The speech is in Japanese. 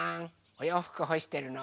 おようふくほしてるの？